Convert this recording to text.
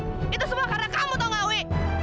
di sini itu semua karena kamu tau gak wi